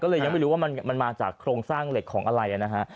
ก็เลยยังไม่รู้ว่ามันมาจากโครงสร้างเหล็กของอะไรนะฮะ